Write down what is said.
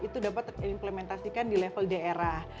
itu dapat terimplementasikan di level daerah